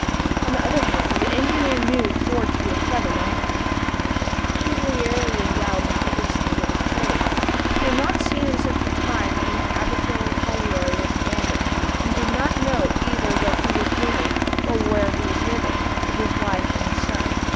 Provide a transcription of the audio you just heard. On the other hand, the engineer knew Ford to be a clever miner, peculiarly endowed with the instinct of his trade. He had not seen him since the time when the Aberfoyle colliery was abandoned, and did not know either what he was doing or where he was living, with his wife and his son.